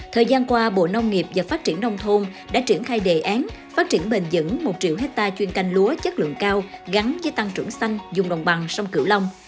thời gian qua bộ nông nghiệp và phát triển nông thôn đã triển khai đề án phát triển bền dẫn một triệu hectare chuyên canh lúa chất lượng cao gắn với tăng trưởng xanh dùng đồng bằng sông cửu long